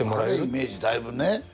あれイメージだいぶね。